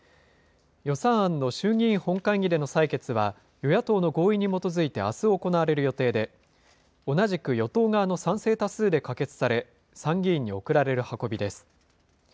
予算案の衆議院本会議での採決は、与野党の合意に基づいてあす行われる予定で、同じく与党側の賛成多数で可決され、参議院に送られる運びです。